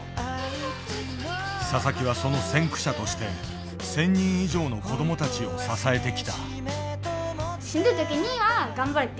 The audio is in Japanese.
佐々木はその先駆者として千人以上の子どもたちを支えてきた。